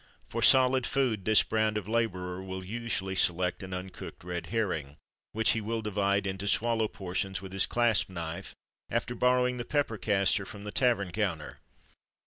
For solid food, this brand of labourer will usually select an uncooked red herring, which he will divide into swallow portions with his clasp knife, after borrowing the pepper castor from the tavern counter.